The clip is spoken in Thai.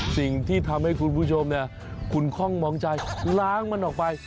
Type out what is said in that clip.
สิ่งที่ทำให้คุณผู้ชมคุณคล่องมองใจล้างมันออกไป